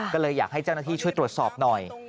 ก็เลยอยากให้เจ้าหน้าที่ช่วยตรวจสอบหน่อย